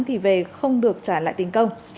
thì về không được trả lại tình công